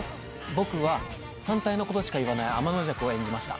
僕は反対のことしか言わない天邪鬼を演じました。